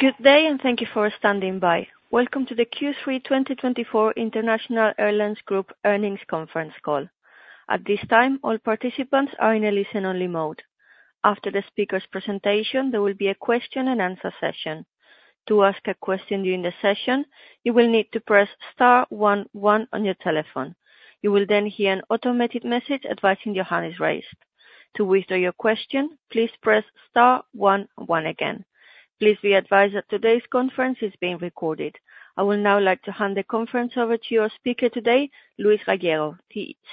Good day and thank you for standing by. Welcome to the Q3 2024 International Airlines Group Earnings conference call. At this time all participants are in a listen only mode. After the speaker's presentation, there will be a question and answer session. To ask a question during the session, you will need to press star one one on your telephone. You will then hear an automated message advising your hand is raised. To withdraw your question, please press star one one again. Please be advised that today's conference is being recorded. I would now like to hand the conference over to your speaker today, Luis Gallego,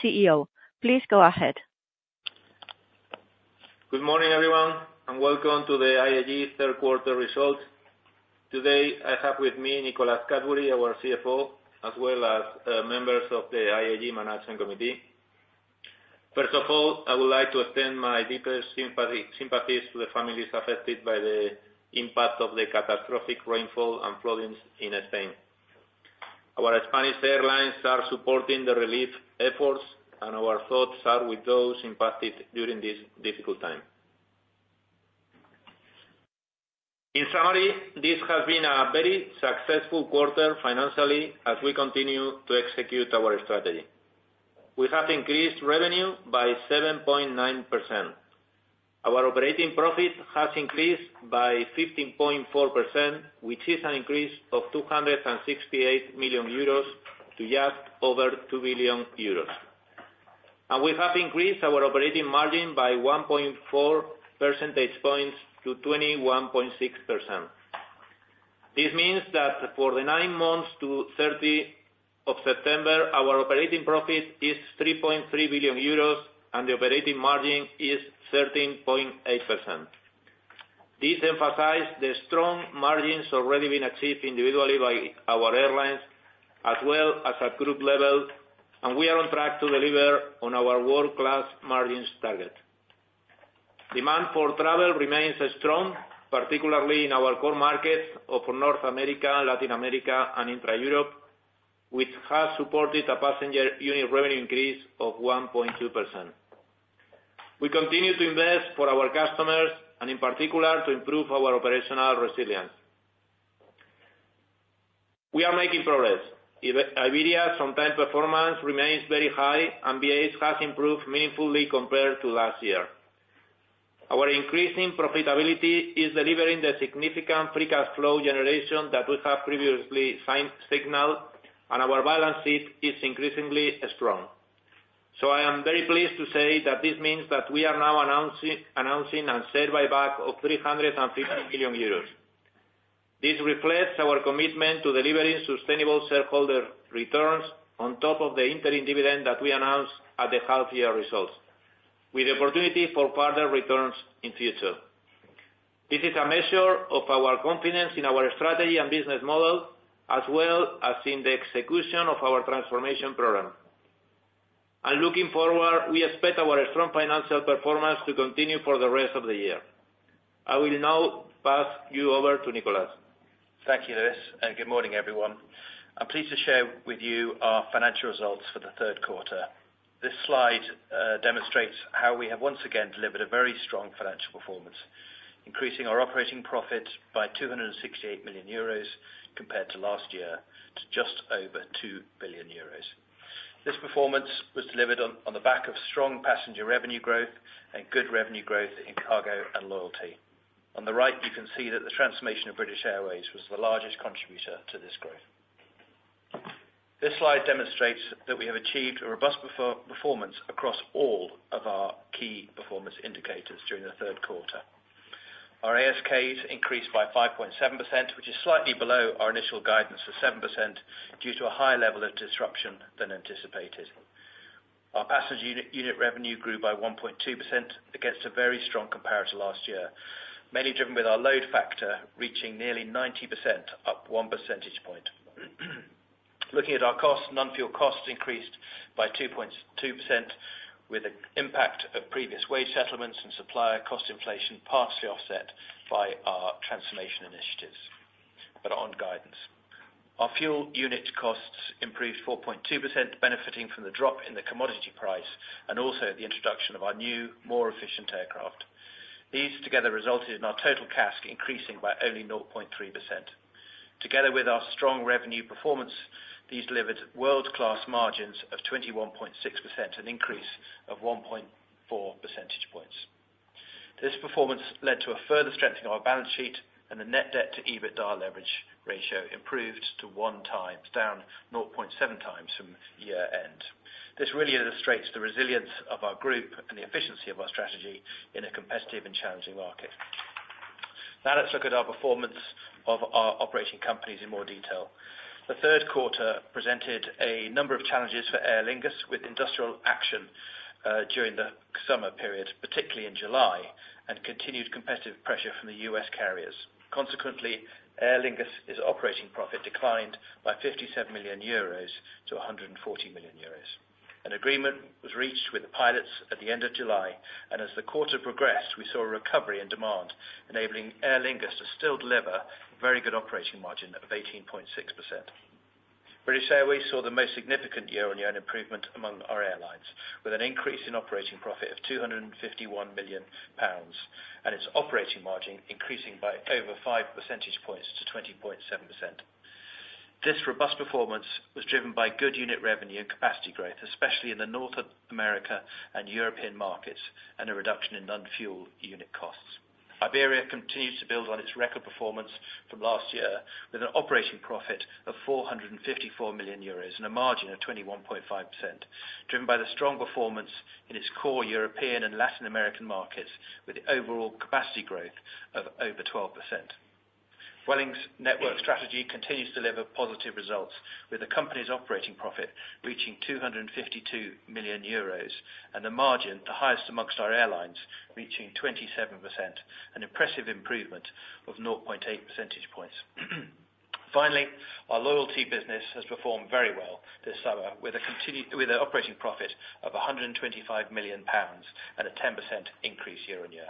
CEO. Please go ahead. Good morning everyone and welcome to the IAG third quarter results. Today I have with me Nicholas Cadbury, our CFO as well as members of the IAG Management Committee. First of all, I would like to extend my deepest sympathies to the families affected by the impact of the catastrophic rainfall and flooding in Spain. Our Spanish airlines are supporting the relief efforts and our thoughts are with those impacted during this difficult time. In summary, this has been a very successful quarter financially as we continue to execute our strategy. We have increased revenue by 7.9%. Our operating profit has increased by 15.4% which is an increase of 268 million euros to just over 2 billion euros. We have increased our operating margin by 1.4 percentage points to 21.6%. This means that for the nine months to September 30 our operating profit is 3.3 billion euros and the operating margin is 13.8%. This emphasizes the strong margins already been achieved individually by our airlines as well as at group level and we are on track to deliver on our world-class margins target. Demand for travel remains strong, particularly in our core markets of North America, Latin America and intra-Europe which has supported a passenger unit revenue increase of 1.2%. We continue to invest for our customers and in particular to improve our operational resilience. We are making progress. Iberia's on-time performance remains very high and BA's has improved meaningfully compared to last year. Our increasing profitability is delivering the significant free cash flow generation that we have previously signaled and our balance sheet is increasingly strong. So I am very pleased to say that this means that we are now announcing a share buyback of 350 million euros. This reflects our commitment to delivering sustainable shareholder returns on top of the interim dividend that we announced at the half year results with opportunity for further returns in future. This is a measure of our confidence in our strategy and business model as well as in the execution of our transformation program and looking forward we expect our strong financial performance to continue for the rest of the year. I will now pass you over to Nicholas. Thank you, Luis, and good morning, everyone. I'm pleased to share with you our financial results for the third quarter. This slide demonstrates how we have once again delivered a very strong financial performance. We've increased our operating profit by 268 million euros compared to last year to just over 2 billion euros. This performance was delivered on the back of strong passenger revenue growth and good revenue growth in cargo and loyalty on the right. You can see that the transformation of British Airways was the largest contributor to this growth. This slide demonstrates that we have achieved a robust performance across all of our key performance indicators. During the third quarter, our ASKs increased by 5.7%, which is slightly below our initial guidance of 7%. Due to a higher level of disruption than anticipated. Our passenger unit revenue grew by 1.2% against a very strong comparator last year, mainly driven by our load factor reaching nearly 90%, up one percentage point. Looking at our costs, non-fuel costs increased by 2.2% with the impact of previous wage settlements and supplier cost inflation, partially offset by our transformation initiatives. But overall, our fuel unit costs improved 4.2% benefiting from the drop in the commodity price and also the introduction of our new more efficient aircraft. These together resulted in our total CASK up by only 0.3%. Together with our strong revenue performance, these delivered world-class margins of 21.6%, an increase of 1.4 percentage points. This performance led to a further strengthening of our balance sheet and the net debt to EBITDA leverage ratio improved to 1x, down 0.7x from year-end. This really illustrates the resilience of our group and the efficiency of our strategy in a competitive and challenging market. Now let's look at our performance of our operating companies in more detail. The third quarter presented a number of challenges for Aer Lingus with industrial action during the summer period, particularly in July, and continued competitive pressure from the U.S. carriers. Consequently, Aer Lingus operating profit declined by 57 million euros to 140 million euros. An agreement was reached with the pilots at the end of July and as the quarter progressed we saw a recovery in demand, enabling Aer Lingus to still deliver very good operating margin of 18.6%. British Airways saw the most significant year on year improvement among our airlines with an increase in operating profit of 251 million pounds and its operating margin increasing by over five percentage points to 20.7%. This robust performance was driven by good unit revenue and capacity growth, especially in the North America and European markets and a reduction in non-fuel unit costs. Iberia continues to build on its record performance from last year with an operating profit of 454 million euros and a margin of 21.5% driven by the strong performance in its core European and Latin American markets. With the overall capacity growth of over 12%. Vueling's network strategy continues to deliver positive results with the company's operating profit reaching 252 million euros and the margin the highest amongst our airlines reaching 27%, an impressive improvement of 0.8 percentage points. Finally, our loyalty business has performed very well this summer with an operating profit of 125 million pounds and a 10% increase year on year.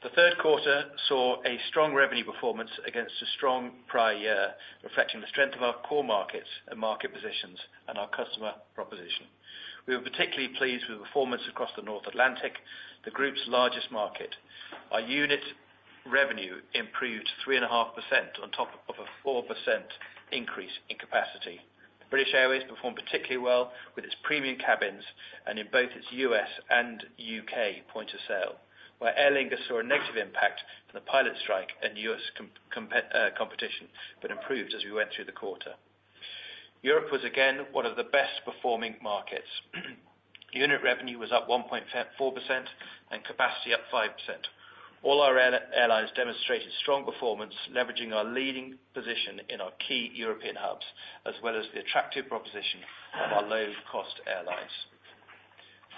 The third quarter saw a strong revenue performance against a strong prior year reflecting the strength of our core markets and market positions and our customer proposition. We were particularly pleased with performance across the North Atlantic, the group's largest market. Our unit revenue improved 3.5% on top of a 4% increase in capacity. British Airways performed particularly well with its premium cabins and in both its U.S. and U.K. point of sale where Aer Lingus saw a negative impact from the pilot strike and U.S. competition but improved. As we went through the quarter, Europe was again one of the best performing markets. Unit revenue was up 1.4% and capacity up 5%. All our airlines demonstrated strong performance, leveraging our leading position in our key European hubs as well as the attractive proposition of our low cost airlines.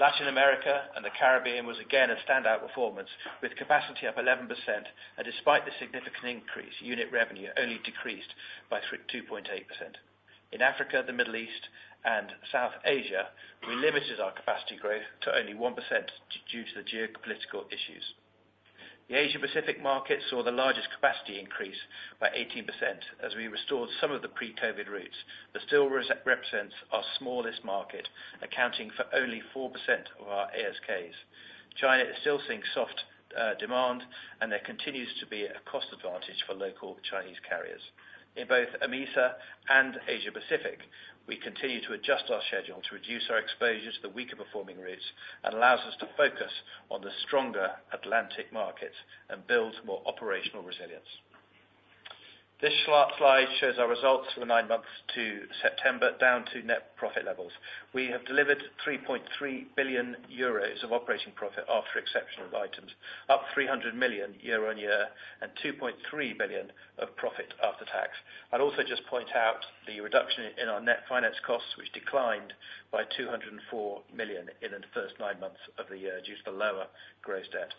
Latin America and the Caribbean was again a standout performance with capacity up 11% and despite the significant increase, unit revenue only decreased by 2.8%. In Africa, the Middle East and South Asia, we limited our capacity growth to only 1% due to the geopolitical issues. The Asia Pacific market saw the largest capacity increase by 18% as we restored some of the pre-COVID routes but still represents our smallest market accounting for only 4% of our ASKs. China is still seeing soft demand and there continues to be a cost advantage for local Chinese carriers in both AMESA and Asia Pacific. We continue to adjust our schedule to reduce our exposure to the weaker performing routes and allows us to focus on the stronger Atlantic markets and build more operational resilience. This slide shows our results for the nine months to September down to net profit levels. We have delivered 3.3 billion euros of operating profit after exceptional items, up 300 million year on year and 2.3 billion of profit after tax. I'd also just point out the reduction in our net finance costs which declined by 204 million in the first nine months of the year due to the lower gross debt.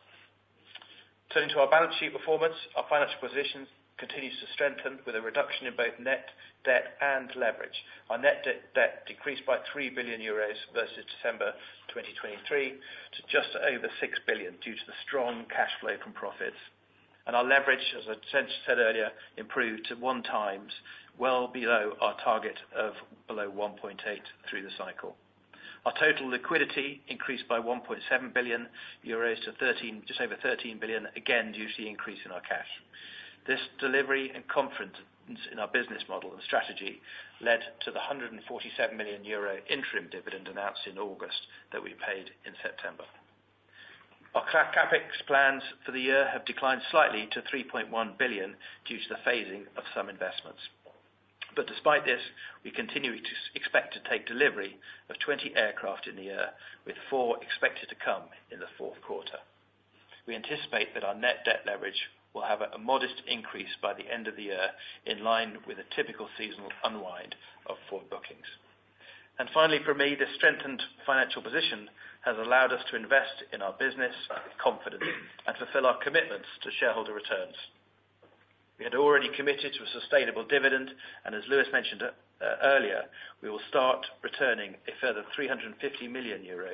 Turning to our balance sheet performance, our financial position continues to strengthen with a reduction in both net debt and leverage. Our net debt decreased by 3 billion euros versus December 2023, just over 6 billion due to the strong cash flow from profits and our leverage as I said earlier, improved to one times well below our target of below 1.8. Through the cycle, our total liquidity increased by 1.7 billion euros to just over 13 billion again due to the increase in our cash. This delivery and confidence in our business model and strategy led to the 147 million euro interim dividend announced in August and that we paid in September. Our CAPEX plans for the year have declined slightly to 3.1 billion due to the phasing of some investments, but despite this, we continue to expect to take delivery of 20 aircraft in the year with four expected to come in the fourth quarter. We anticipate that our net debt leverage will have a modest increase by the end of the year, in line with a typical seasonal unwind of forward bookings. And finally for me, this strengthened financial position has allowed us to invest in our business with confidence and fulfill our commitments to shareholder returns. We had already committed to a sustainable dividend and as Luis mentioned earlier, we will start returning a further 350 million euro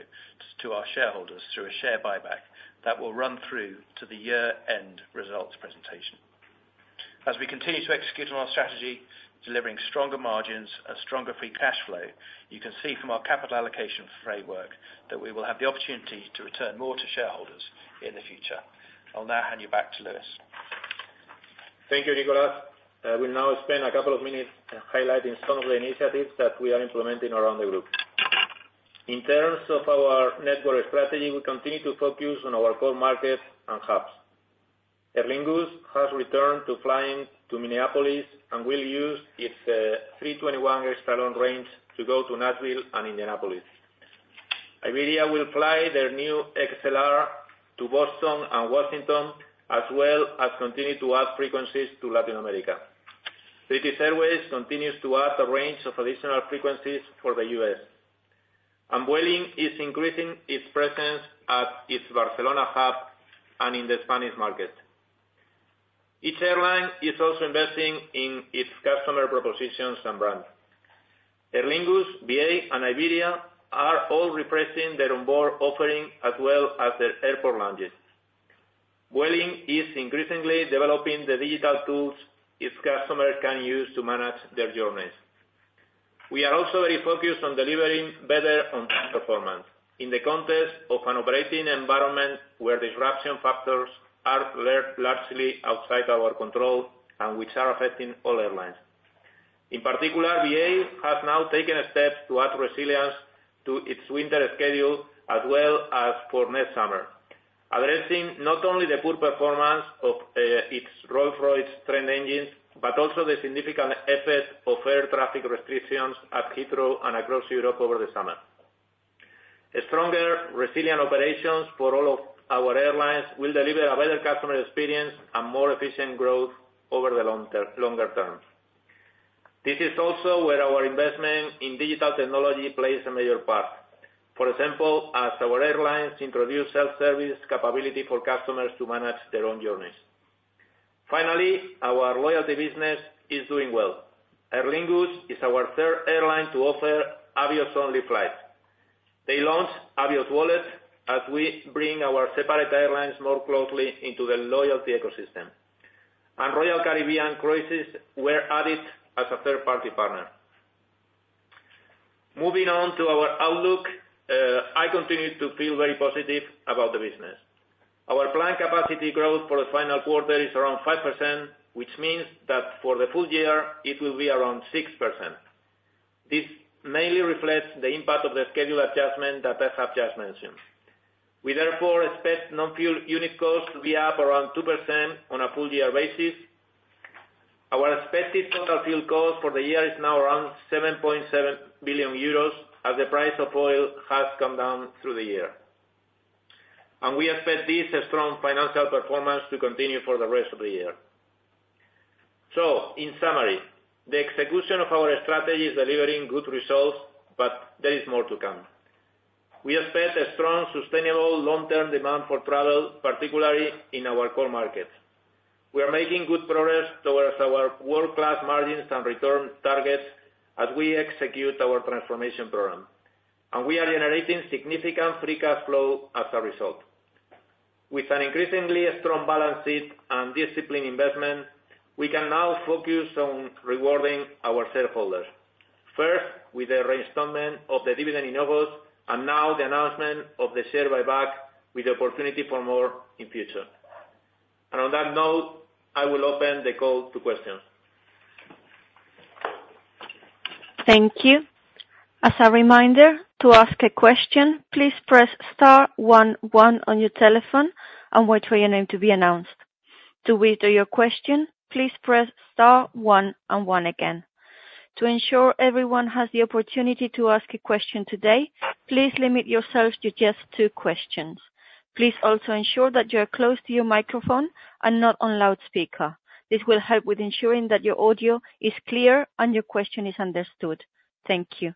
to our shareholders through a share buyback that will run through to the year end results presentation. As we continue to execute on our strategy delivering stronger margins and stronger free cash flow, you can see from our capital allocation framework that we will have the opportunity to return more to shareholders in the future. I'll now hand you back to Luis. Thank you, Nicholas. I will now spend a couple of minutes highlighting some of the initiatives that we are implementing around the group. In terms of our network strategy, we continue to focus on our core market and hubs. Aer Lingus has returned to flying to Minneapolis and will use its A321XLR to go to Nashville and Indianapolis. Iberia will fly their new A321XLR to Boston and Washington as well as continue to add frequencies to Latin America. British Airways continues to add a range of additional frequencies for the US and Vueling is increasing its presence at its Barcelona hub and in the Spanish market. Each airline is also investing in its customer propositions and brand. Aer Lingus, BA and Iberia are all refreshing their onboard offering as well as their airport lounges. IAG is increasingly developing the digital tools its customers can use to manage their journeys. We are also very focused on delivering better on performance in the context of an operating environment where disruption factors are largely outside our control and which are affecting all airlines. In particular, BA has now taken steps to add resilience to its winter schedule as well as for next summer, addressing not only the poor performance of its Rolls-Royce Trent engines but also the significant effect of air traffic restrictions at Heathrow and across Europe over the summer. A stronger resilient operations for all of our airlines will deliver a better customer experience and more efficient growth over the longer term. This is also where our investment in digital technology plays a major part, for example as our airlines introduce self service capability for customers to manage their own journeys. Finally, our loyalty business is doing well. Aer Lingus is our third airline to offer Avios only flights. They launched Avios Wallet as we bring our separate airlines more closely into the loyalty ecosystem and Royal Caribbean Cruises were added as a third party partner. Moving on to our outlook, I continue to feel very positive about the business. Our planned capacity growth for the final quarter is around 5% which means that for the full year it will be around 6%. This mainly reflects the impact of the schedule adjustment that I have just mentioned. We therefore expect non fuel unit costs to be up around 2% on a full year basis. Our expected total fuel cost for the year is now around 7.7 billion euros as the price of oil has come down through the year and we expect this strong financial performance to continue for. The rest of the year. So in summary, the execution of our strategy is delivering good results. But there is more to come. We expect a strong sustainable long-term demand for travel, particularly in our core markets. We are making good progress towards our world-class margins and return targets as we execute our transformation program and we are generating significant free cash flow as a result. With an increasingly strong balance sheet and disciplined investment, we can now focus on rewarding our shareholders first with the reinstatement of the dividend in August and now the announcement of the share buyback with the opportunity for more in future. And on that note I will open the call to questions. Thank you. As a reminder to ask a question, please press star one one on your telephone and wait for your name to be announced. To withdraw your question please press star one and one again. To ensure everyone has the opportunity to ask a question today, please limit yourself to just two questions. Please also ensure that you are close to your microphone and not on loudspeaker. This will help with ensuring that your audio is clear and your question is understood. Thank you.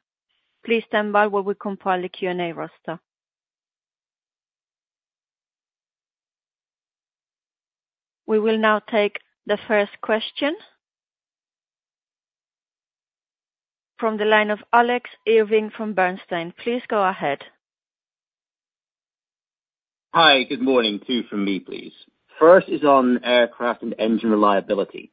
Please stand by while we compile the Q&A roster. We will now take the first question from the line of Alex Irving from Bernstein. Please go ahead. Hi, good morning. Two from me, please. First is on aircraft and engine reliability.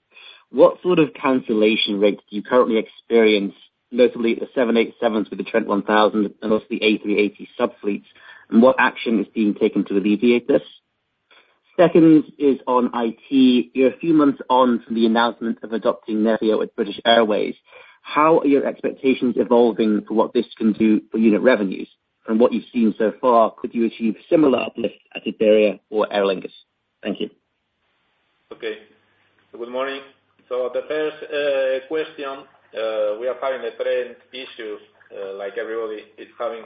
What sort of cancellation rate do you currently experience, notably the 787s with the Trent 1000 and also the A380 sub fleets? And what action is being taken to alleviate this? Second is on IT. You're a few months on from the. Announcement of adopting Nevio at British Airways. How are your expectations evolving for what this can do for unit revenues? From what you've seen so far, could you achieve similar uplift at Iberia or Aer Lingus? Thank you. Okay. Good morning. So the first question. We are having the Trent issues like everybody is having,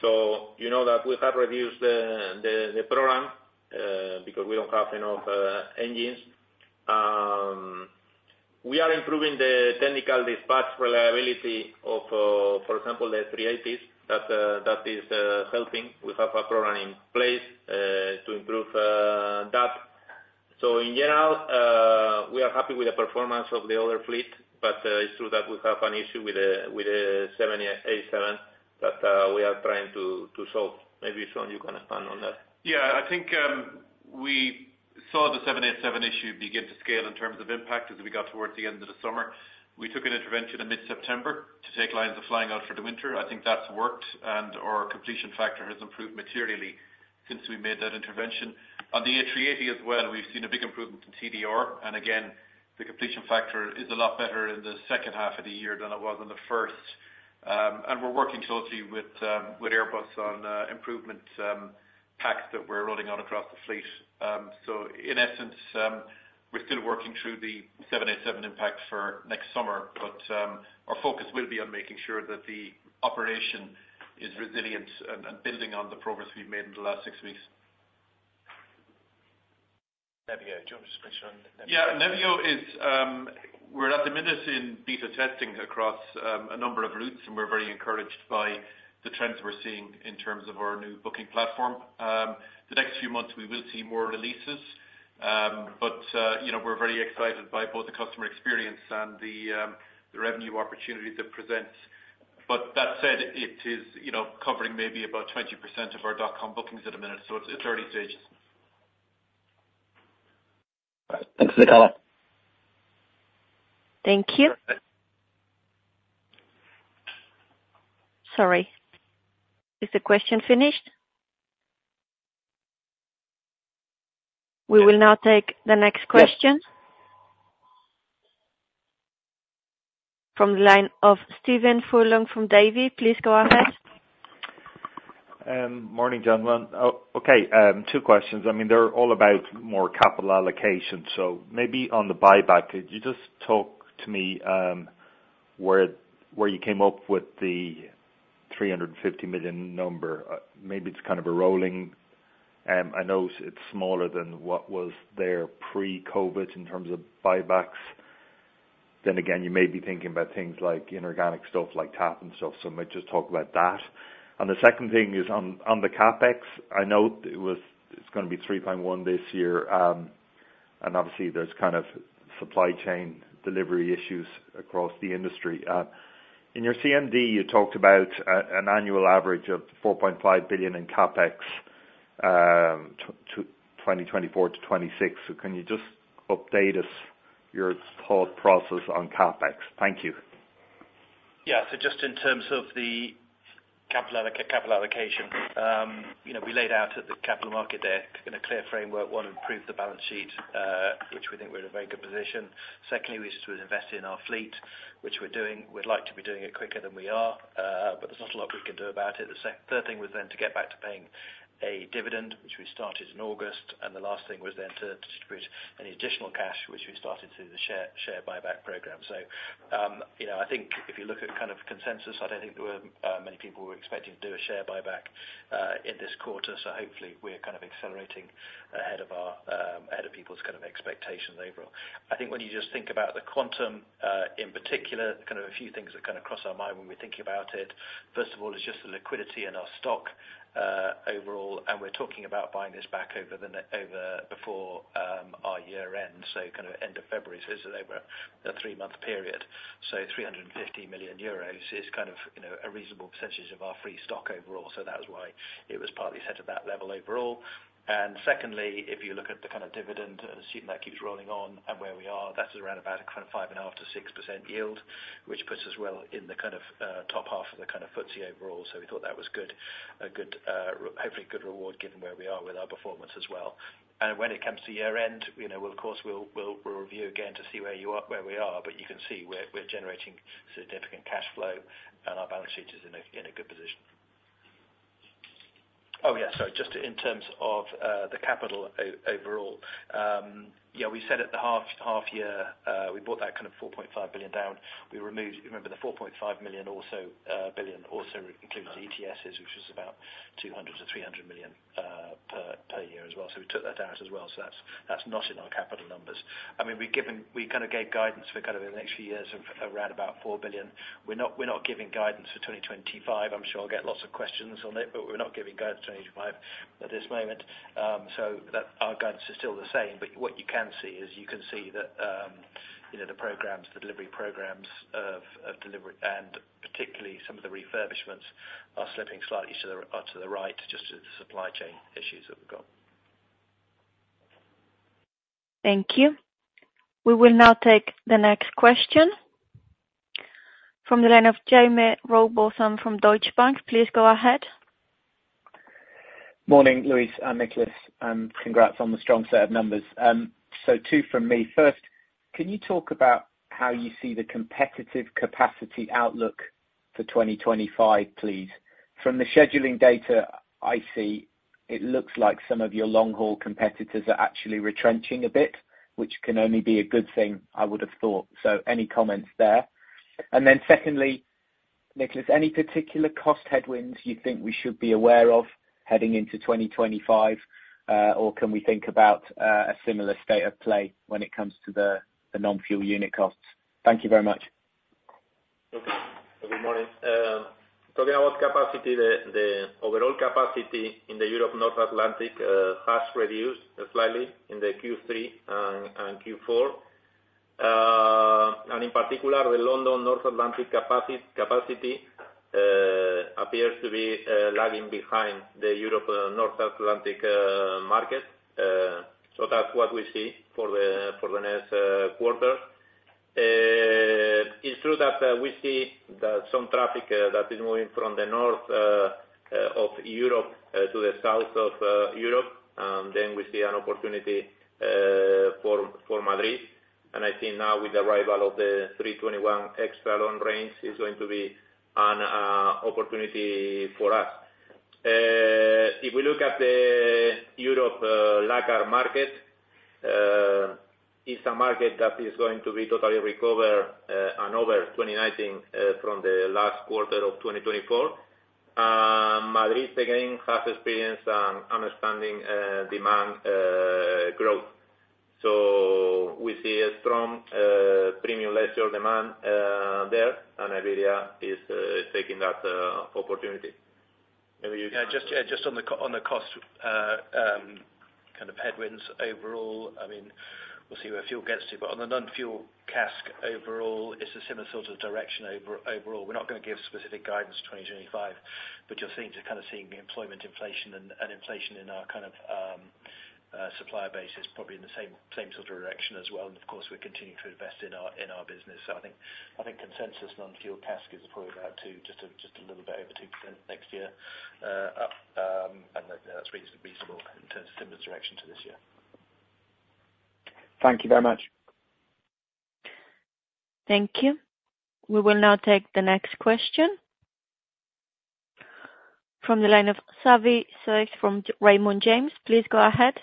so you know that we have reduced the program because we don't have enough engines. We are improving the technical dispatch reliability of, for example, the A380. That is helping. We have a program in place to improve that. So in general, we are happy with the performance of the other fleet. But it's true that we have an issue with 787 that we are trying to solve. Maybe, Sean, you can expand on that. Yeah, I think we saw the 787 issue begin to scale in terms of impact as we got towards the end of the summer. We took an intervention in mid September to take lines of flying out for the winter. I think that's worked. And our completion factor has improved materially since we made that intervention on the A380 as well. We've seen a big improvement in TDR, and again, the completion factor is a lot better in the second half of the year than it was in the first. And we're working closely with Airbus on improvement packs that we're rolling on across the fleet. So, in essence, we're still working through the 787 impact for next summer, but our focus will be on making sure that the operation is resilient and building on the progress we've made in the last six weeks. Nevio, do you want to? Yeah, Nevio, we're at the minute in beta testing across a number of routes, and we're very encouraged by the trends we're seeing in terms of our new booking platform. The next few months we will see more releases, but, you know, we're very excited by both the customer experience and the revenue opportunity that presents. But that said, it is, you know, covering maybe about 20% of our .com bookings at the minute. So it's early stages. Thanks to all. Thank you. Sorry, is the question finished? We will now take the next question from the line of Stephen Furlong from Davy, please go ahead. Morning, gentlemen. Okay, two questions. I mean they're all about more capital allocation, so maybe on the buyback, could. You just talk to me. Where you came up with the 350 million number? Maybe it's kind of a rolling. I notice it's smaller than what was. Then there pre-COVID in terms of buybacks. Then again, you may be thinking about things like inorganic stuff like TAP and stuff. Let's just talk about that. The second thing is on the CAPEX. I know it's going to be 3.1 billion this year, and obviously there's kind of supply chain delivery issues across the industry. In your CMD, you talked about an annual average of 4.5 billion in CAPEX 2024-2026. So can you just update us your? Thought process on CapEx? Thank you. Yes. So just in terms of the capital allocation we laid out at the Capital Markets Day there in a clear framework: one, improve the balance sheet, which we think we're in a very good position. Secondly, we invest in our fleet, which we're doing. We'd like to be doing it quicker than we are, but there's not a lot we can do about it. The third thing was then to get back to paying a dividend, which we started in August, and the last thing was then to distribute any additional cash, which we started through the share buyback program. So I think if you look at kind of consensus, I don't think there were many people expecting to do a share buyback in this quarter. So hopefully we're kind of accelerating ahead of people's kind of expectations overall. I think when you just think about the quantum in particular, kind of a few things that kind of cross our mind when we think about it. First of all, it's just the liquidity in our stock overall and we're talking about buying this back over before our year end, so kind of end of February. So this is over a three-month period. So 350 million euros is kind of a reasonable percentage of our free float overall. So that's why it was partly set at that level overall. And secondly, if you look at the kind of dividend that keeps rolling on and where we are, that's around about 5.5%-6% yield, which puts us well in the kind of top half of the kind of FTSE overall. So we thought that was good, hopefully good reward given where we are with our performance as well. When it comes to year end, of course we'll review again to see where we are. You can see we're generating significant cash flow and our balance sheet is in a good position. Oh yes. Just in terms of the capital overall. Yeah, we said at the half year we brought that kind of 4.5 billion down. We removed, remember the 4.5 billion also includes ETS which is about 200-300 million per year as well. So we took that out as well. So that's not in our capital numbers. I mean we've given, we kind of gave guidance for kind of in the next few years around about 4 billion. We're not giving guidance for 2025. I'm sure I'll get lots of questions on it. We're not giving guidance 25 at this moment. Our guidance is still the same. But what you can see is, you can see that the programs, the delivery programs and particularly some of the refurbishments are slipping slightly to the right just to the supply chain issues that we've got. Thank you. We will now take the next question from the line of Jaime Rowbotham from Deutsche Bank. Please go ahead. Morning, Luis and Nicholas, and congrats on the strong set of numbers. So, two from me first, can you talk about how you see the competitive capacity outlook for 2025 please? From the scheduling data I see it looks like some of your long haul competitors are actually retrenching a bit, which can only be a good thing. I would have thought so. Any comments there? And then, secondly, Nicholas, any particular cost headwinds you think we should be aware of heading into 2025 or can we think about a similar state of play when it comes to the non fuel unit costs? Thank you very much. Talking about capacity, the overall capacity in the Europe North Atlantic has reduced slightly in the Q3 and Q4 and in particular the London North Atlantic capacity appears to be lagging behind the Europe North Atlantic market. So that's what we see for the next quarter. It's true that we see some traffic that is moving from the north of Europe to the south of Europe and then we see an opportunity for Madrid. And I think now with the arrival of the 321 extra long range is going to be an opportunity for us. If we look at the Europe leisure market, it's a market that is going to be totally recovered. And over 2019 from the last quarter of 2024, Madrid again has experienced an outstanding demand growth. So we see a strong premium leisure demand there and Iberia is taking that. Opportunity just on the cost kind of headwinds overall. I mean, we'll see where fuel gets to. But on the non-fuel CASK overall it's a similar sort of direction overall. We're not going to give specific guidance for 2025, but you're kind of seeing employment inflation and inflation in our kind of supplier base is probably in the same sort of direction as well. And of course we're continuing to invest in our business. So I think consensus non-fuel CASK is probably about 2% to just a little bit over 2% next year and that's reasonable in terms of similar direction to this year. Thank you very much. Thank you. We will now take the next question from the line of Savanthi Syth from Raymond James. Please go ahead.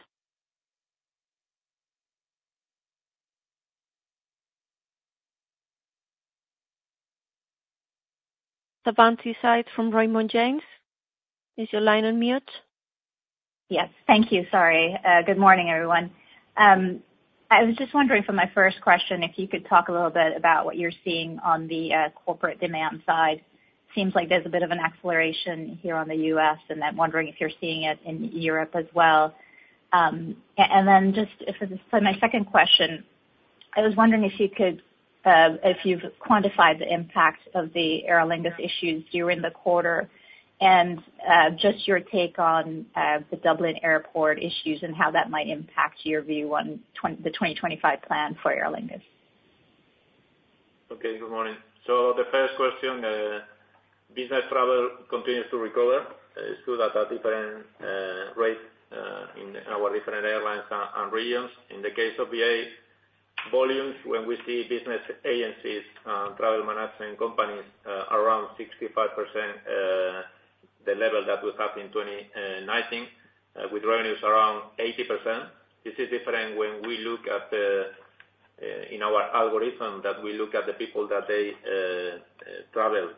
Savanthi Syth from Raymond James. Is your line on mute? Yes, thank you. Sorry. Good morning everyone. I was just wondering for my first question if you could talk a little bit about what you're seeing on the corporate demand side. Seems like there's a bit of an acceleration here on the US and I'm wondering if you're seeing it in Europe as well. And then just my second question, I was wondering if you could if you've quantified the impact of the Aer Lingus issues during the quarter and just your take on the Dublin Airport issues and how that might impact your view on the 2025 plan for Aer Lingus. Okay. Good morning. So the first question, business travel continues to recover stood at a different rate in our different airlines and regions. In the case of BA volumes when we see business agencies, travel management companies around 65% the level that we have in 2019 with revenues around 80%. This is different when we look at in our algorithm that we look at the people that they travel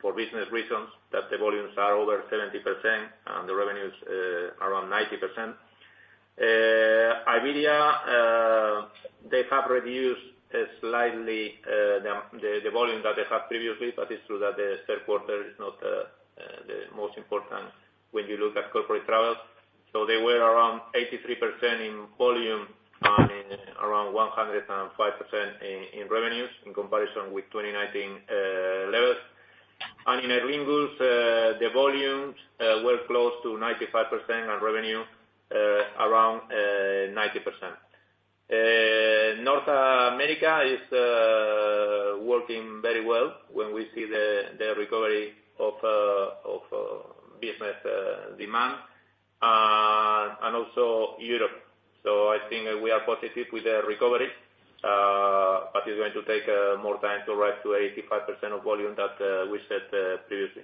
for business reasons that the volumes are over 70% and the revenues around 90%. Iberia, they have reduced slightly the volume that they had previously. But it's true that the third quarter is not the most important when you look at corporate travel. So they were around 83% in volume, around 105% in revenues in comparison with 2019 levels. And in the volumes were close to 95% and revenue around 90%. North America is working very well when we see the recovery of business demand and also Europe. So I think we are positive with the recovery, but it's going to take more time to rise to 85% of volume that we said previously.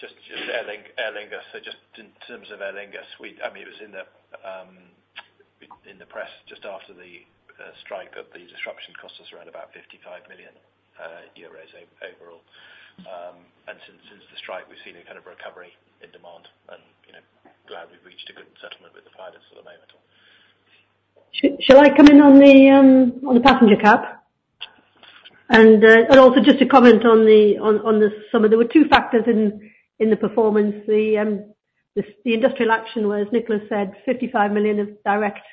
Just Aer Lingus. So just in terms of Aer Lingus, I mean, it was in the press just after the strike that the disruption cost us around about 55 million euros overall, and since the strike we've seen a kind of recovery in demand and glad we've reached a good settlement with the pilots at the moment. Shall I come in on the passenger cap? And also just to comment on the summer, there were two factors in the performance. The industrial action was, Nicholas said, 55 million of direct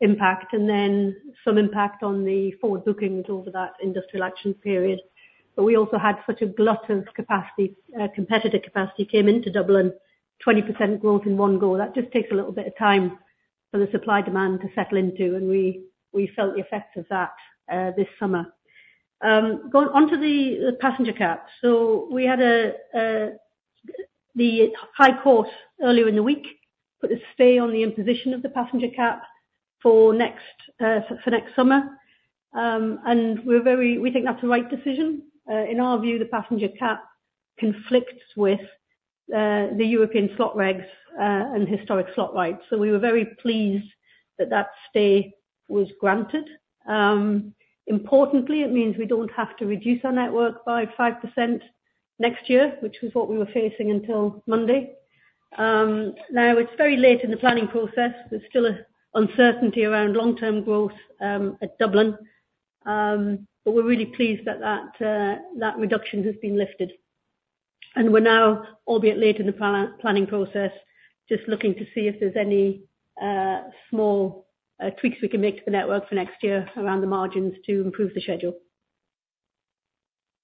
impact and then some impact on the forward bookings over that industrial action period. But we also had such a glut of capacity, competitive capacity came into Dublin. 20% growth in one go. That just takes a little bit of time for the supply demand to settle into. And we felt the effects of that this summer onto the passenger cap. So we had the High Court earlier in the week put a stay on the imposition of the passenger cap for next summer. And we think that's the right decision. In our view the passenger cap conflicts with the European slot regs and historic slot rights. So we were very pleased that that stay was granted. Importantly, it means we don't have to reduce our network by 5% next year, which was what we were facing until Monday. Now it's very late in the planning process. There's still an uncertainty around long term growth at Dublin, but we're really pleased that that reduction has been lifted. And we're now, albeit late in the planning process, just looking to see if there's any small tweaks we can make to the network for next year around the margins to improve the schedule.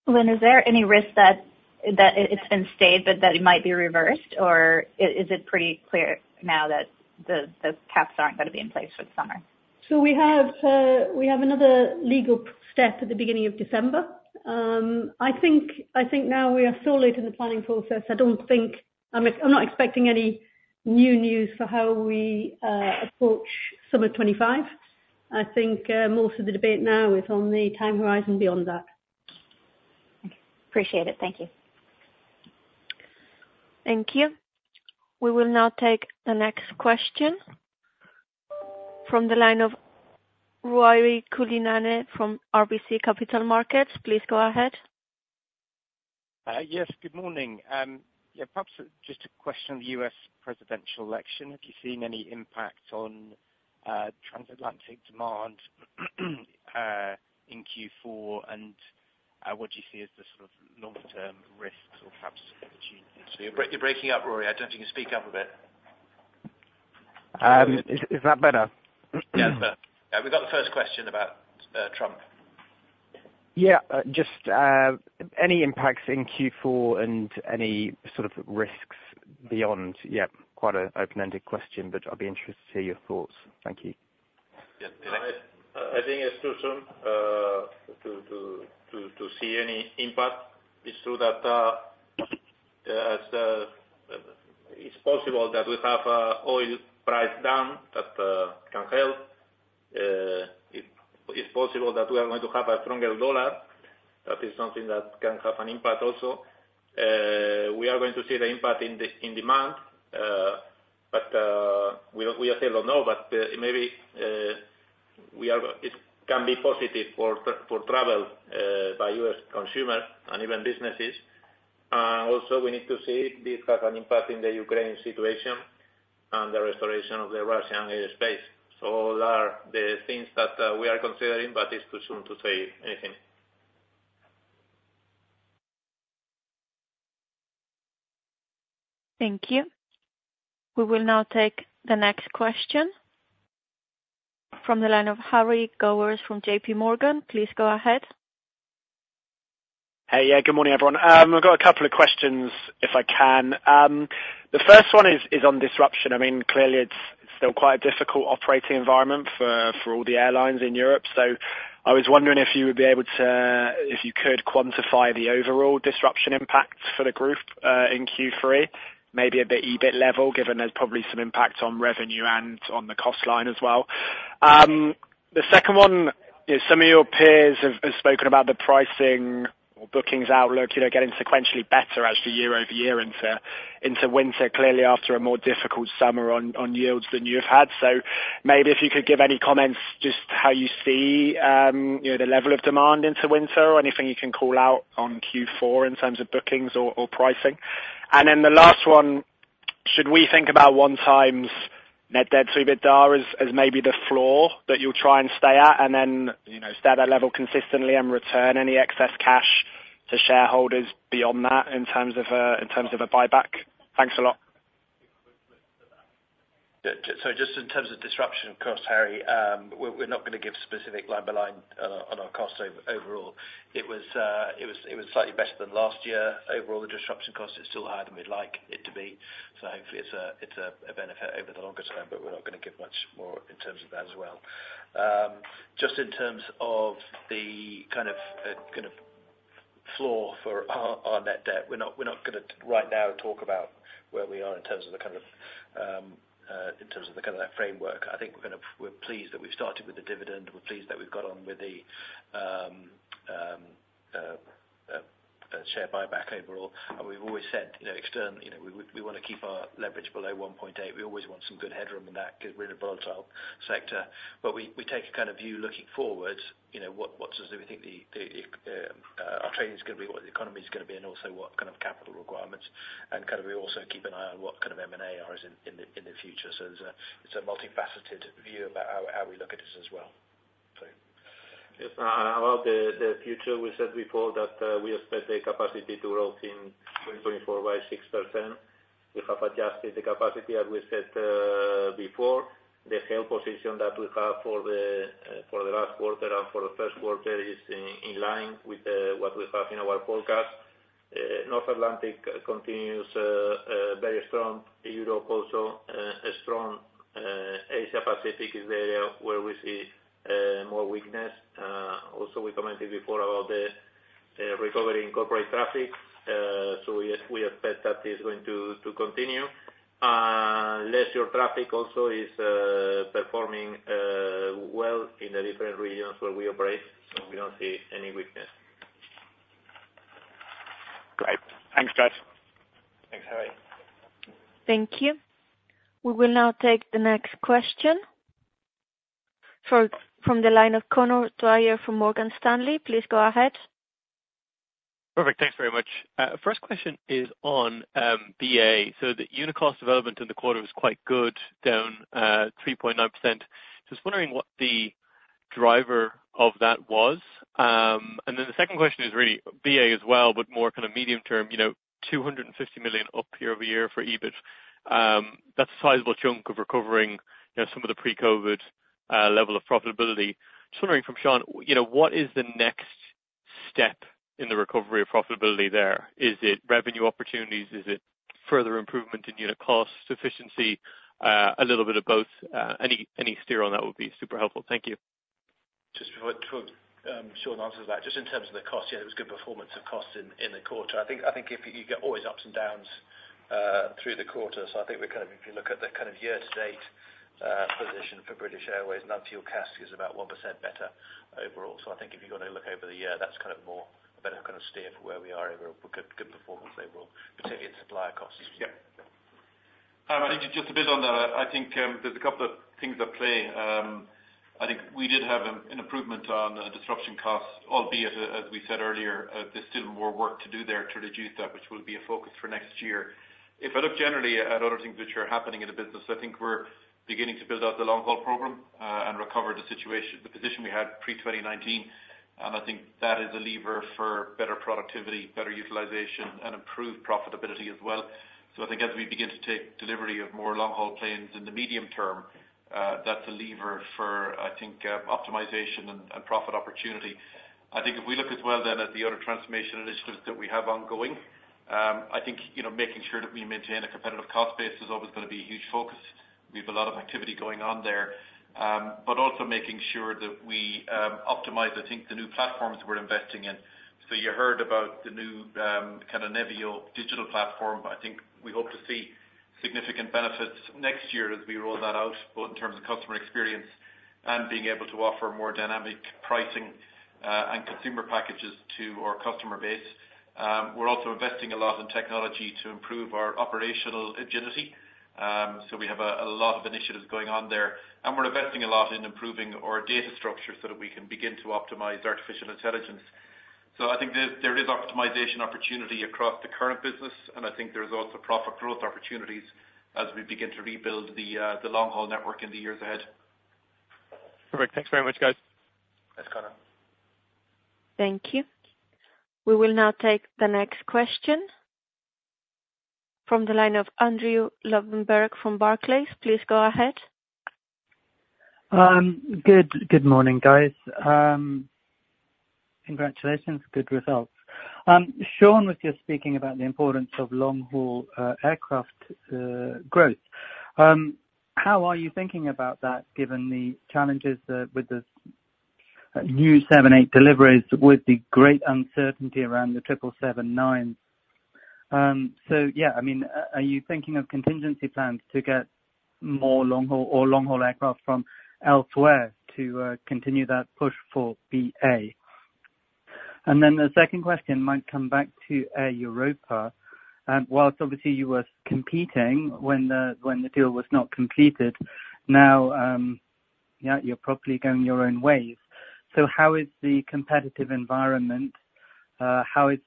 Lynne, is there any risk that it's been stayed but that it might be reversed? Or is it pretty clear now that the caps aren't going to be in place for the summer? So we have another legal step at the beginning of December, I think. Now we are so late in the planning process. I don't think I'm not expecting any new news for how we approach summer 2025. I think most of the debate now is on the time horizon beyond that. Appreciate it. Thank you. Thank you. We will now take the next question from the line of Ruairi Cullinane from RBC Capital Markets. Please go ahead. Yes, good morning. Perhaps just a question of the U.S. Presidential election. Have you seen any impact on transatlantic demand in Q4 and what do you see as the sort of long term risks or perhaps opportunities. You're breaking up, Ruairi. I don't know if you can speak up a bit. Is that better? Yes, we've got the first question about Trump. Yeah, just any impacts in Q4 and any sort of risks beyond yet. Quite an open ended question, but I'd be interested to hear your thoughts. Thank you. I think it's too soon to see any impact. It's true that it's possible that we have oil price down, that can help. It's possible that we are going to have a stronger dollar. That is something that can have an impact. Also we are going to see the impact in demand, but we still don't know, but maybe we are. It can be positive for travel by U.S. consumers and even businesses. Also we need to see this has an impact in the Ukraine situation and the restoration of the Russian airspace. So all are the things that we are considering but it's too soon to say anything. Thank you. We will now take the next question from the line of Harry Gowers from J.P. Morgan. Please go ahead. Hey. Yeah, good morning everyone. I've got a couple of questions if I can. The first one is on disruption. I mean clearly it's still quite a difficult operating environment for all the airlines in Europe. So I was wondering if you would be able to, if you could quantify the overall disruption impacts for the group in Q3, maybe a bit EBIT level given there's probably some impact on revenue and on the cost line as well. The second one, some of your peers have spoken about the pricing or bookings outlook getting sequentially better actually year-over-year into winter, clearly after a more difficult summer on yields than you've had. So maybe if you could give any comments just how you see the level of demand into winter, anything you can call out on Q4 in terms of bookings or pricing. And then the last one, should we think about 1x net debt to EBITDA as maybe the floor that you'll try and stay at and then stay at that level consistently and return any excess cash to shareholders beyond that in terms of a buyback? Thanks a lot. So just in terms of disruption costs, Harry, we're not going to give specific line by line on our cost. Overall it was slightly better than last year. Overall the disruption cost is still higher than we'd like it to be. So hopefully it's a benefit over the longer term. But we're not going to give much more in terms of that as well. Just in terms of the kind of floor for our net debt, we're not going to right now talk about where. We are. In terms of the kind of framework, I think we're pleased that we've started with the dividend. We're pleased that we've got on with the share buyback overall, and we've always said externally we want to keep our leverage below 1.8. We always want some good headroom in that because we're in a volatile sector. But we take a kind of view looking forward, what do we think our trading is going to be, what the economy is going to be, and also what kind of capital requirements and kind of we also keep an eye on what kind of M&A in the future. So it's a multifaceted view about how we look at this as well the future. We said before that we expect the capacity to grow in 2024 by 6%. We have adjusted the capacity. As we said before, the yield position that we have for the last quarter and for the first quarter is in line with what we have in our forecast. North Atlantic continues very strong. Europe also is strong. Asia Pacific is the area where we see more weakness. Also we commented before about the recovery in corporate traffic. So we expect that is going to continue. Leisure traffic also is performing well in the different regions where we operate. So we don't see any weakness. Great. Thanks guys. Thanks Harry. Thank you. We will now take the next question from the line of Conor Dwyer from Morgan Stanley. Please go ahead. Perfect. Thanks very much. First question is on BA so that. costs development in the quarter was quite good, down 3.9%. Just wondering what the driver of that was. Then the second question is really BA as well, but more kind of medium term. $250 million up year-over-year for EBIT. That's a sizable chunk of recovering some of the pre-COVID level of profitability. Just wondering from Sean, what is the next step in the recovery of profitability there? Is it revenue opportunities? Is it further improvement in unit cost efficiency? A little bit of both. Any steer on that would be super helpful. Thank you. Just in terms of the cost. Yes, it was good performance of costs in the quarter. I think if you get always ups and downs through the quarter. So I think we kind of if you look at the kind of year to date position for British Airways non-fuel CASK is about 1% better overall. So I think if you're going to look over the year that's kind of more a better kind of steer for where we are overall. Good performance overall, particularly at supplier costs. Yes, just a bit on that. I think there's a couple of things at play. I think we did have an improvement on disruption costs, albeit as we said earlier, there's still more work to do there to reduce that which will be a focus for next year. If I look generally at other things which are happening in the business, I think we're beginning to build out the long-haul program and recover the position we had pre-2019, and I think that is a lever for better productivity, better utilization, and improved profitability as well, so I think as we begin to take delivery of more long-haul planes in the medium term, that's a lever for optimization and profit opportunity. I think if we look as well then at the other transformation initiatives that we have ongoing. I think making sure that we maintain a competitive cost base is always going to be a huge focus. We have a lot of activity going on there, but also making sure that we optimize, I think the new platforms we're investing in. So you heard about the new kind of Nevio digital platform. I think we hope to see significant benefits next year as we roll that out both in terms of customer experience and being able to offer more dynamic pricing and consumer packages to our customer base. We're also investing a lot in technology to improve our operational agility. So we have a lot of initiatives going on there and we're investing a lot in improving our data structure so that we can begin to optimize artificial intelligence. So I think there is optimization opportunity across the current business and I think there's also profit growth opportunities as we begin to rebuild the long haul network in the years ahead. Perfect. Thanks very much guys. Thanks Conor. Thank you. We will now take the next question from the line of Andrew Lobbenberg from Barclays. Please go ahead. Good morning guys. Congratulations. Good results. Sean was just speaking about the importance of long haul aircraft growth. How are you thinking about that given the challenges with the new 787 deliveries, with the great uncertainty around the 777-9. So yeah, I mean are you thinking of contingency plans to get more long haul or long haul aircraft from elsewhere to continue that push for BA? And then the second question might come back to Air Europa. While obviously you were competing when the deal was not completed, now you're probably going your own ways. So how is the competitive environment? How is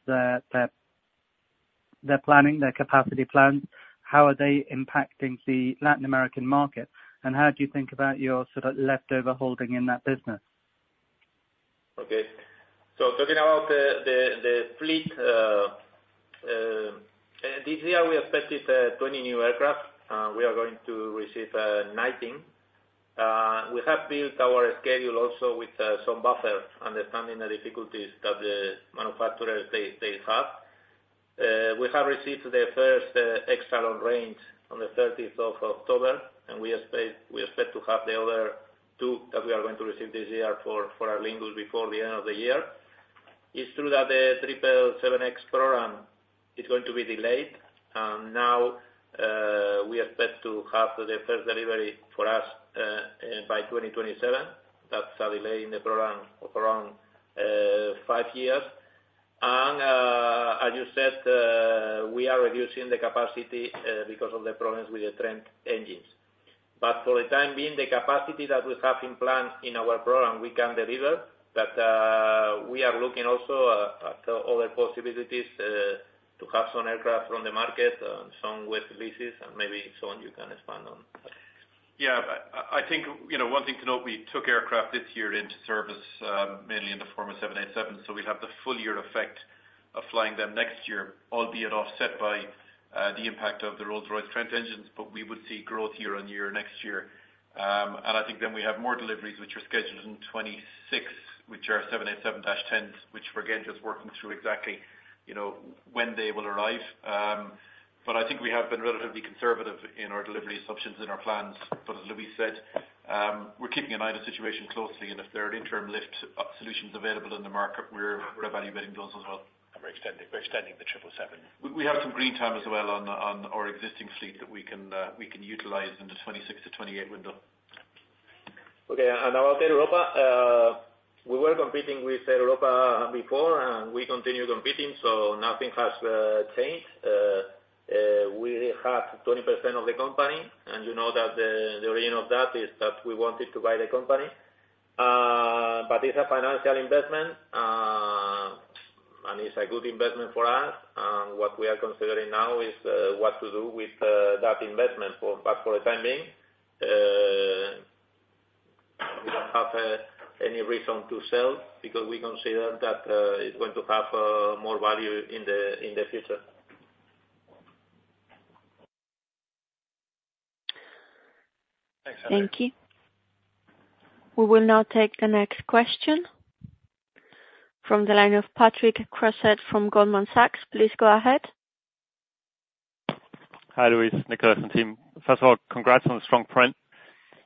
their planning, their capacity plans, how are they impacting the Latin American market and how do you think about your sort of leftover holding in that business? Okay, so talking about the fleet this year we expected 20 new aircraft. We are going to receive 19. We have built our schedule also with some buffer understanding the future difficulties that the manufacturers they have. We have received the first A321XLR on the 30th of October and we expect to have the other two that we are going to receive this year for Aer Lingus before the end of the year. It's true that the 777X program is going to be delayed and now we expect to have the first delivery for us by 2027. That's a delay in the program of around five years. And as you said, we are reducing the capacity because of the problems with the Trent engines. But for the time being, the capacity that we have in plan in our program, we can deliver that. We are looking also at other possibilities to have some aircraft from the market, some wet, and maybe someone you can expand on. Yeah, I think, you know, one thing to note, we took aircraft this year into service mainly in the form of 787. So we'll have the full year effect of flying them next year, albeit offset by the impact of the Rolls-Royce Trent engines. But we would see growth year on year next year. And I think then we have more deliveries which are scheduled in 2026, which are 787-10s which for again just working through exactly when they will arrive. But I think we have been relatively conservative in our delivery assumptions in our plans. But as Luis said, we're keeping an eye on the situation closely and if there are interim lift solutions available in the market, we're evaluating those as well. We're extending the 777. We have some green time as well on our existing fleet that we can utilize in the 2026-2028 window. Okay, and now I'll Air Europa. We were competing with Air Europa before and we continue competing so nothing has changed. We had 20% of the company and you know that the origin of that is that we wanted to buy the company. But it's a financial investment and it's a good investment for us. What we are considering now is what to do with that investment. But for the time being. We don't. Have any reason to sell because we consider that it's going to have more value in the future. Thank you. We will now take the next question from the line of Patrick Creuset from Goldman Sachs. Please go ahead. Luis, Nicholas and team. First of all, congrats on the strong print.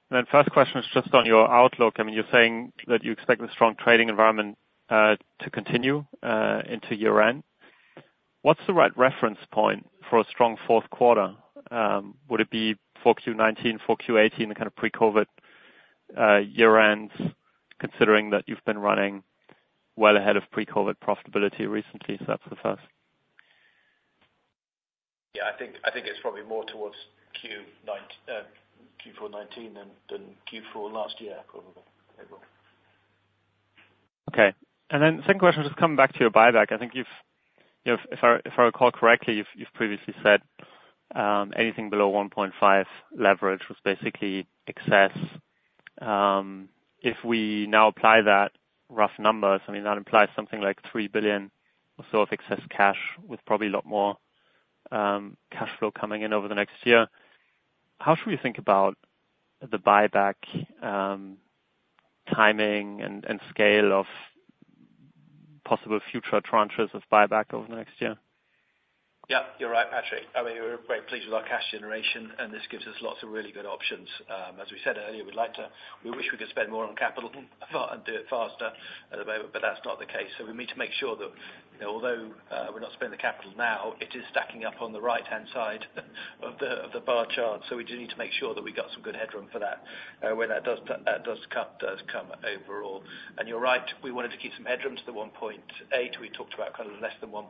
And then first question is just on your outlook. I mean you're saying that you expect a strong trading environment to continue into year end. What's the right reference point for a strong fourth quarter? Would it be 4Q19, 4Q18? The kind of pre Covid year end considering that you've been running well ahead of pre Covid profitability recently. So that's the first. Yes, I think it's probably more towards Q4 2019 than Q4 last year, probably. Okay. And then second question, just coming back to your buyback, I think you've, if I recall correctly, you've previously said anything below 1.5 leverage was basically excess. If we now apply that rough numbers, I mean that implies something like 3 billion or so of excess cash. With probably a lot more cash flow coming in over the next year. How should we think about the buyback, timing and scale of possible future tranches of buyback over the next year? Yes, you're right, Patrick. I mean we're very pleased with our cash generation and this gives us lots of really good options. As we said earlier, we'd like to, we wish we could spend more on capital and do it faster at the moment, but that's not the case. So we need to make sure that although we're not spending the capital now, it is stacking up on the right hand side of the bar chart. So we do need to make sure that we got some good headroom for that when that does come overall, and you're right, we wanted to keep some headroom to the 1.8 we talked about. Kind of less than 1.5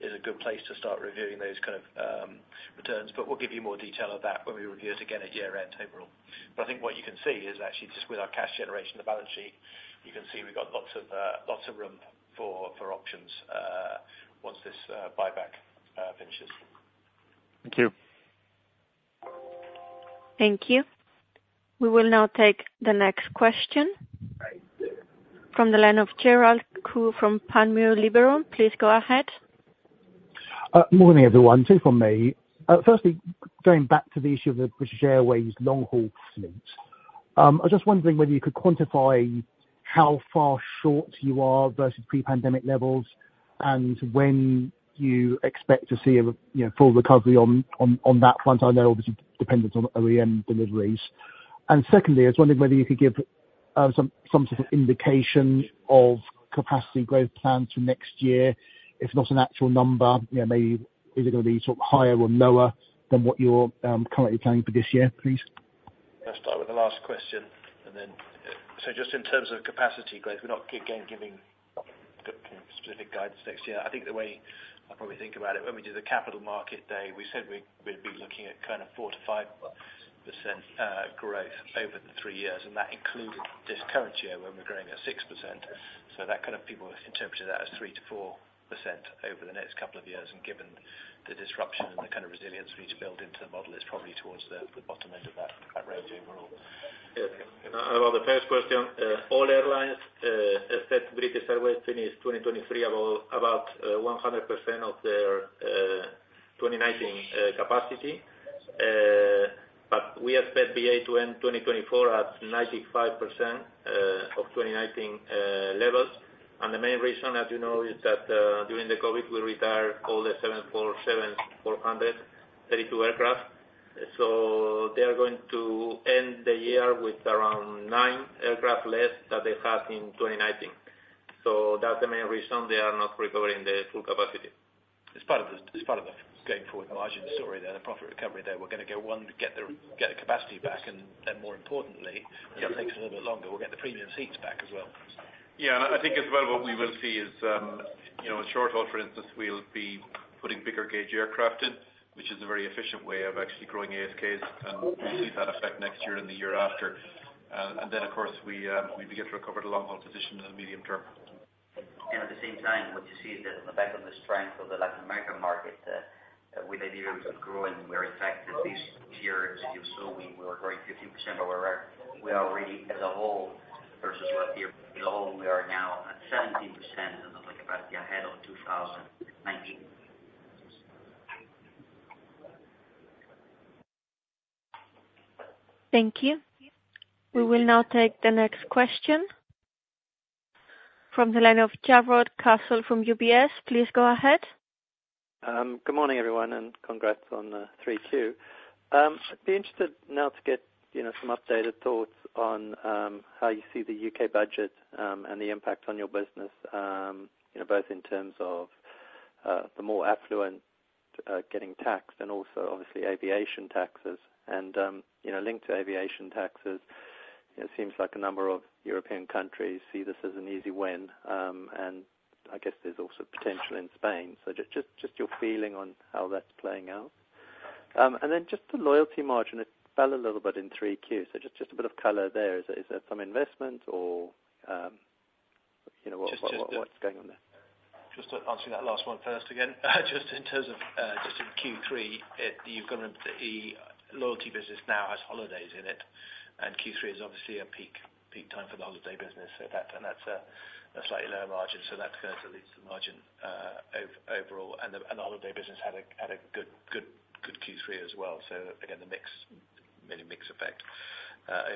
is a good place to start risk reviewing those kind of returns, but we'll give you more detail of that when we review it again at year end overall. But I think what you can see. It's actually just with our cash generation, the balance sheet. You can see we've got lots of room for options once this buyback finishes. Thank you. Thank you. We will now take the next question from the line of Gerald Khoo from Panmure Liberum. Please go ahead. Morning everyone. Two from me. Firstly, going back to the issue of the British Airways long haul fleet, I was just wondering whether you could quantify how far short you are versus pre pandemic levels and when you expect to see a full recovery on that front, I know obviously dependent on OEM deliveries. And secondly, I was wondering whether you could give some sort of indication of capacity growth plans for next year. If not an actual number, maybe is it going to be sort of higher or lower than what you're currently planning for this year, please? let's start with the last question. And then so just in terms of capacity growth, we're not again giving specific guidance next year. I think the way I probably think about it, when we did the Capital Markets Day we said we'd be looking at kind of 4%-5% growth over the three years and that included this current year when we're growing at 6%. So that kind of people interpreted that as 3%-4% over the next couple of years. And given the disruption and the kind of resilience we need to build into the model, it's probably towards the bottom end of that range overall. The first question: all airlines except British Airways finished 2023 about 100% of their 2019 capacity. But we expect BA to end 2024 at 95% of 2019 levels. And the main reason, as you know, is that during the COVID we retired all the 747-400 aircraft. So they are going to end the year with around nine aircraft less than they had in 2019. So that's the main reason they are not recovering the flight capacity. As part of the going forward margin story there, the profit recovery there. We're going to go on to get the capacity back and then more importantly it takes a little bit longer. We'll get the premium seats back as well. Yeah, and I think as well what we will see is, you know, in short haul, for instance, we'll be putting bigger gauge aircraft in which is a very efficient way of actually growing ASKs and we'll see that effect next year and the year after, and then of course we begin to recover over the long haul position in the medium term. At the same time, what you see is that on the back of the strength of the Latin American market with a great deal of growing, we are in fact at least this year, as you saw, we were growing 50% where we were. We are really as a whole versus last year below. We are now at 17% ahead of 2019. Thank you. We will now take the next question from the line of Jarrod Castle from UBS. Please go ahead. Good morning everyone and congrats on 3Q. I'd be interested now to get some updated thoughts on how you see the U.K. budget and the impact on your business both in terms of the more affluent getting taxed and also obviously aviation taxes. And linked to aviation taxes it seems like a number of European countries see this as an easy win and I guess there's also potential in Spain. So just your feeling on how that's playing out and then just the loyalty margin, it fell a little bit in 3Q. So just a bit of color there. Is that some investment or what's going on? Just answering that last one first. Just in Q3, you've got to remember the loyalty business now has holidays in it and Q3 is obviously a peak time for the holiday business and that's a slightly lower margin. So that margin overall and the holiday business had a good Q3 as well. So again, the mix effect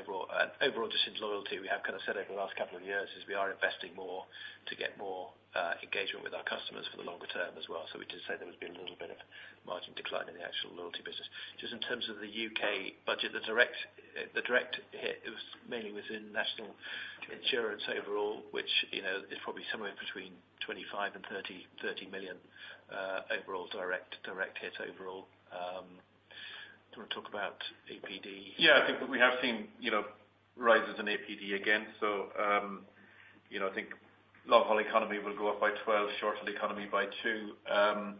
overall, just in loyalty, we have kind of set everyone last couple of years is we are investing more to get more engagement with our customers for the longer term as well. So we did say there has been a little bit of margin decline in the actual loyalty business. Just in terms of the U.K. budget, the direct hit is mainly within National Insurance overall, which is probably somewhere between 25 and 30 million overall. Direct hit overall. Do you want to talk about. Yeah, I think we have seen, you know, rises in APD again. So, you know, I think long-haul economy will go up by 12, short-haul economy by 2.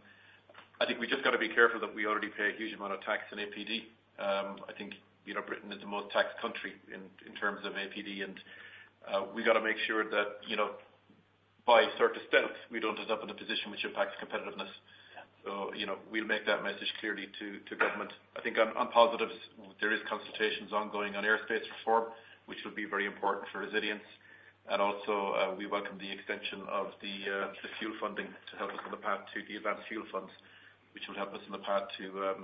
I think we just got to be careful that we already pay a huge amount of tax in APD. I think, you know, Britain is the most taxed country in terms of APD and we got to make sure that, you know, by successive stealth, we don't end up in a position which impacts competitiveness. So we'll make that message clearly to government. I think on positives there is consultations ongoing on airspace reform, which will be very important for resilience. And also we welcome the extension of the fuel funding to help us on the path to the Advanced Fuels Fund, which will help us on the path to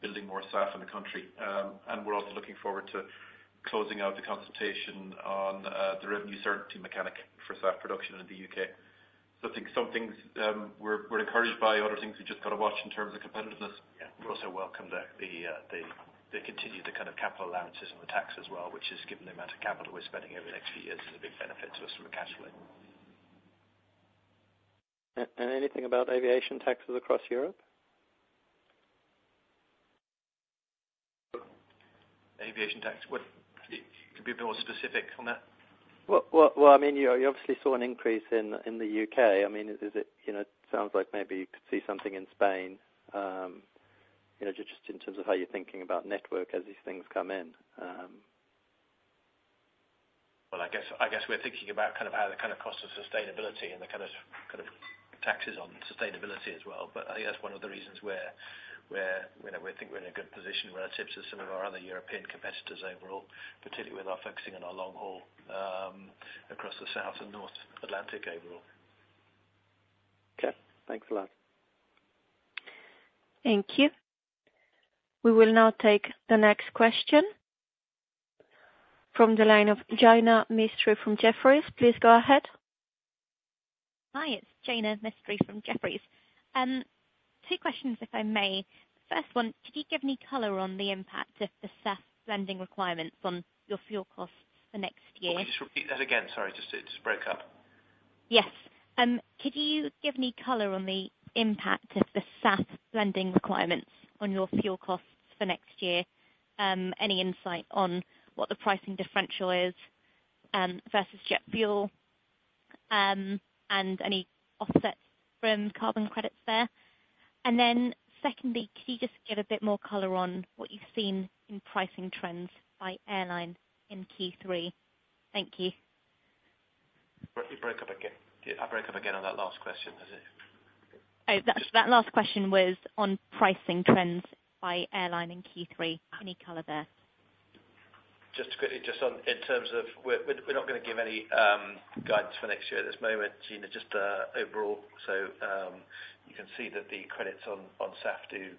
building more SAF in the country. And we're also looking forward to closing out the consultation on the Revenue Certainty Mechanism for SAF production and the U.K. So I think some things we're encouraged by, other things we just got to watch in terms of competitiveness. We also welcome the continued kind of capital allowances and the tax as well, which, given the amount of capital we're spending over the next few years, is a big benefit to us from a cash flow. And anything about aviation taxes across Europe? Aviation tax could be more specific on that? Well, I mean, you obviously saw an. Increase in the UK. I mean, it sounds like maybe you could see something in Spain just in terms of how you're thinking about network as these things come in? Well, I guess we're thinking about kind of how the cost of sustainability and the kind of taxes on sustainability as well. But I think that's one of the reasons why we think we're in a good position relative to some of our other European competitors overall, particularly with our focusing on our long haul across the South and North Atlantic overall. Okay, thanks a lot. Thank you. We will now take the next question from the line of Jaina Mistry from Jefferies. Please go ahead. Hi, it's Jaina Mistry from Jefferies. Two questions, if I may. First one, could you give any color on the impact of the SAF blending requirements on your fuel costs for next year? Can you just repeat that again? Sorry, it just broke up. Yes. Could you give any color on the impact of the SAF blending requirements on your fuel costs for next year? Any insight on what the pricing differential is versus jet fuel and any offsets from carbon credits there? And then secondly, could you just give a bit more color on what you've seen in pricing trends by airline in Q3? Thank you. I broke up again on that last question. That last question was on pricing trends by airline in Q3. Any color there? Just quickly. Just on. In terms of, we're not going to give any guidance for next year at this moment, Jain, just overall. So you can see that the credits on SAF do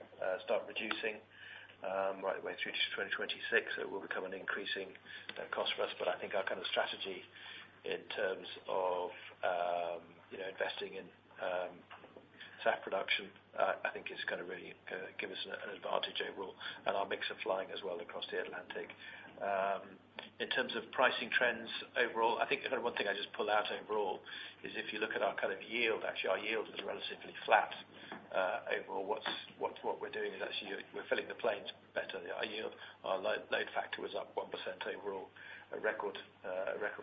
start reducing right the way through to 2026. It will become an increasing cost for us. But I think our kind of strategy in terms of investing in SAF production I think is going to really give us an advantage overall and our mix of flying as well across the Atlantic in terms of pricing trends overall. I think one thing I just pull out overall is if you look at our kind of yield, actually our yield is relatively flat overall. What we're doing is actually we're filling the planes better. Our load factor was up 1% overall at record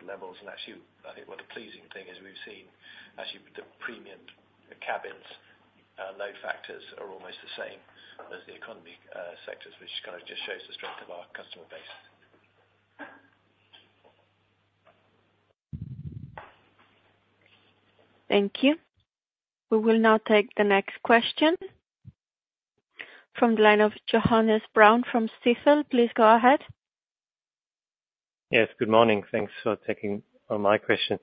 levels. Actually I think what the pleasing thing is we've seen actually the premium cabins load factors are almost the same as the economy sectors, which kind of just shows the strength of our customer base. Thank you. We will now take the next question from the line of Johannes Braun from Stifel. Please go ahead. Yes, good morning. Thanks for taking my question.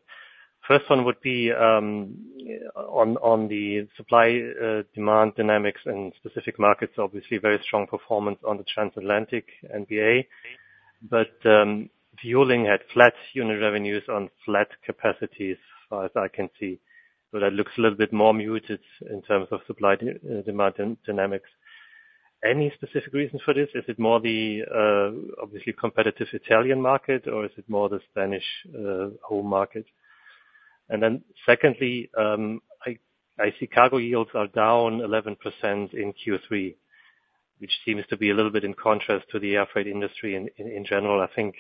First one would be on the supply demand dynamics in specific markets. Obviously very strong performance on the transatlantic BA. But BA had flat unit revenues on flat capacity as far as I can see. But it looks a little bit more muted in terms of supply demand dynamics. Any specific reason for this? Is it more the obviously competitive Italian market or is it more the Spanish home market? Then secondly, I see cargo yields are down 11% in Q3, which seems to be a little bit in contrast to the air freight industry in general. I think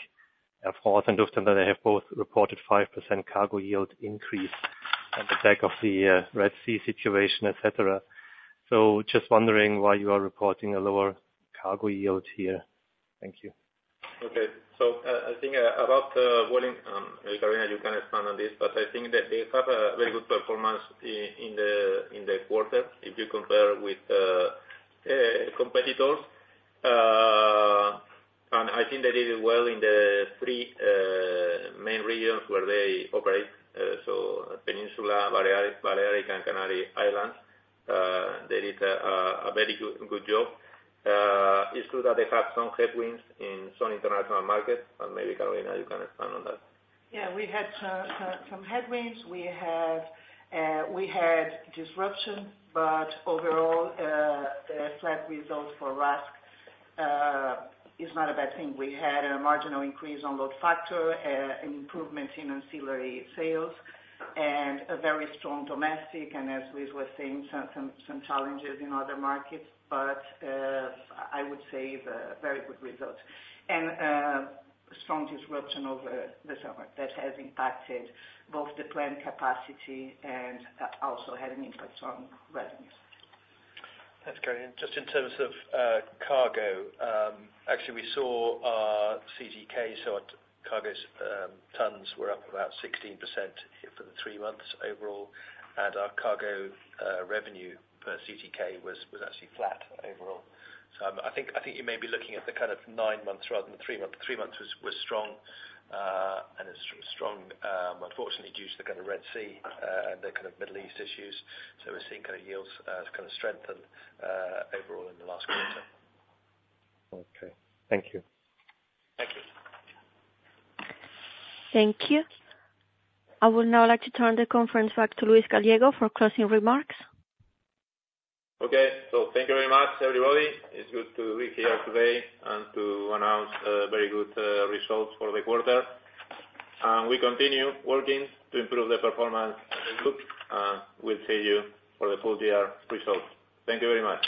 FedEx and Lufthansa have both reported 5% cargo yield increase on the. Back of the Red Sea situation, etc. Just wondering why you are reporting a lower cargo yield here? Thank you. Okay, so I think you can expand on this, but I think that they have a very good performance in the quarter if you compare with competitors. I think they did well in the three main regions where they operate: Peninsula, Balearic and Canary Islands. They did a very good job. It's true that they have some headwinds in some international markets and maybe Carolina, you can expand on that. Yes, we had some headwinds, we had disruption. But overall the flat result for RASK. It's not a bad thing. We had a marginal increase on load factor, improvement in ancillary sales and a very strong domestic and as Luis was saying, some challenges in other markets. But I would say very good results and strong disruption over the summer that. Has impacted both the planned capacity and. Also had an impact on revenues. Thanks, Carolina. Just in terms of cargo, actually we saw our CTK, so our cargo tons were up about 16% for the three months overall. And our cargo revenue per CTK was actually flat overall. So I think you may be looking at the kind of nine months rather than three months. Three months was strong and it's strong unfortunately due to the kind of Red Sea and the kind of Middle East issues. So we're seeing kind of yields kind of strengthen overall in the last quarter. Okay, thank you, Thank you. Thank you. I would now like to turn the conference back to Luis Gallego for closing remarks. Okay, so thank you very much everybody. It's good to be here today and to announce very good results for the quarter. We continue working to improve the performance. We'll see you for the full year results. Thank you very much.